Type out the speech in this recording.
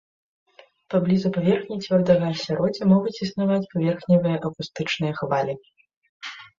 Паблізу паверхні цвёрдага асяроддзя могуць існаваць паверхневыя акустычныя хвалі.